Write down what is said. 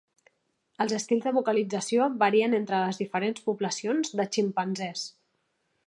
Els estils de vocalització varien entre les diferents poblacions de ximpanzés.